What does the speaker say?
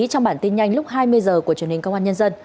trong bản tin nhanh lúc hai mươi h của truyền hình công an nhân dân